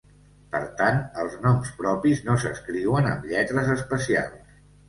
Per tant els noms propis no s'escriuen amb lletres especials.